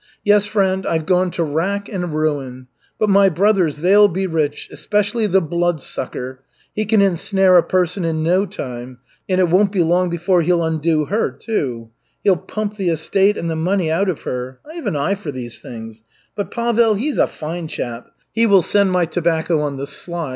Yes, friend, I've gone to rack and ruin. But my brothers, they'll be rich, especially the Bloodsucker. He can ensnare a person in no time, and it won't be long before he'll undo her, too. He'll pump the estate and the money out of her. I have an eye for these things. But Pavel, he's a fine chap. He will send my tobacco on the sly.